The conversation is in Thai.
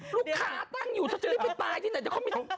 ลูกค้าตั้งอยู่เธอจะเร็กไปตายที่ไหนแต่เขาไม่